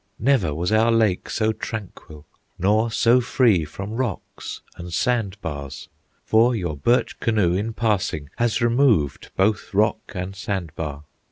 Never was our lake so tranquil, Nor so free from rocks, and sand bars; For your birch canoe in passing Has removed both rock and sand bar.